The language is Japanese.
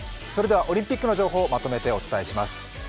それではオリンピックの情報をまとめてお伝えします。